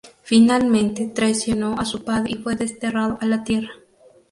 Finalmente traicionó a su padre y fue desterrado a la Tierra.